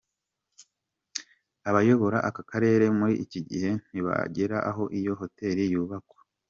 Abayobora akarere muri iki gihe ntibaragera aho iyo hoteli yubakwa